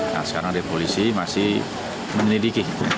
nah sekarang depolisi masih mendidiki